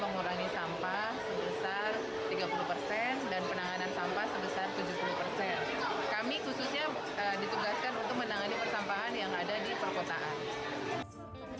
kami khususnya ditugaskan untuk menangani persampahan yang ada di perkotaan